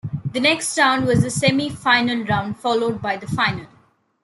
The next round was the semifinal round, followed by the final.